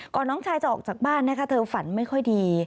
น้องชายจะออกจากบ้านนะคะเธอฝันไม่ค่อยดี